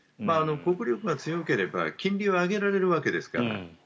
国力が強ければ金利を上げられるわけですから。